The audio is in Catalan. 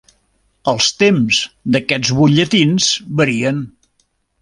Els temps d'aquests butlletins varien.